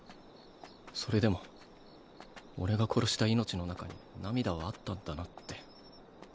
それでも俺が殺した命の中に涙はあったんだなって。